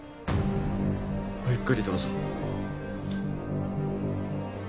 ごゆっくりどうぞ。